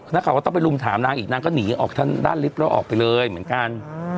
นักข่าวก็ต้องไปลุมถามนางอีกนางก็หนีออกทางด้านลิฟต์แล้วออกไปเลยเหมือนกัน